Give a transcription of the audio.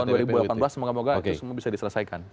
tahun dua ribu delapan belas semoga moga itu semua bisa diselesaikan